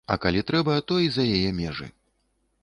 А калі трэба, то і за яе межы.